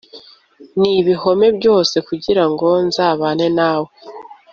n’ibihome byose kugira ngo nzabane nawe